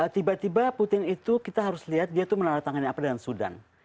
tiba tiba putin itu kita harus lihat dia tuh menaruh tangannya apa dengan sudan